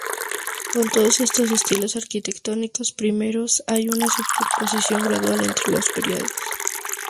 Con todos estos estilos arquitectónicos primeros, hay una superposición gradual entre los períodos.